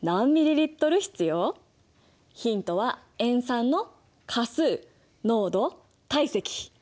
ヒントは塩酸の価数濃度体積。